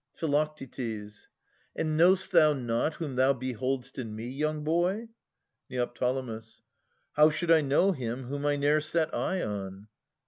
Phi. And know'st thou not whom thou behold'st in me. Young boy? Neo. How should I know him whom I ne'er Set eye on?